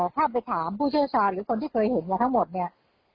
ถ้าไปถามผู้เชี่ยวชาญหรือคนที่เคยเห็นมาทั้งหมดเนี่ย